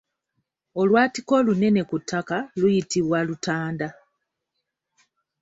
Olwatika olunene ku ttaka luyitibwa Lutanda.